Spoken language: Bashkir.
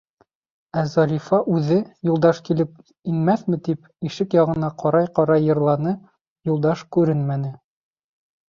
Ә Зарифа үҙе, Юлдаш килеп инмәҫме тип, ишек яғына ҡарай-ҡарай йырланы, Юлдаш күренмәне.